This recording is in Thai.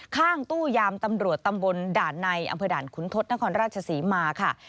ข้างตู้ยามตำรวจตำบลด่านในอำเภอด่านขุนทศนครราชศรีมาค่ะ